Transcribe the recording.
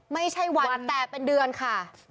ไม่ใช่วันแต่เป็นเดือนค่ะ